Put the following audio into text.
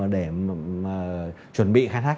để chuẩn bị khai thác